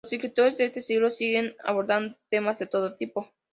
Los escritores de este siglo siguen abordando temas de todo tipo.